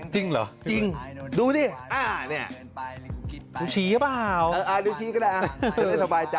จริงเหรอจริงดูสินี่ชูชี้ก็ได้ให้สบายใจ